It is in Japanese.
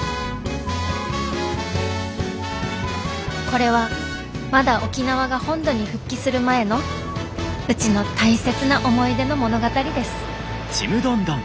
これはまだ沖縄が本土に復帰する前のうちの大切な思い出の物語ですんっ。